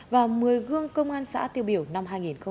và một mươi gương công an xã tiêu biểu năm hai nghìn hai mươi ba